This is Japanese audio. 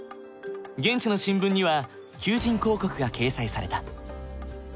現地の新聞には求人広告が掲載された。